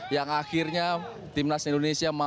yang akhirnya timnas indonesia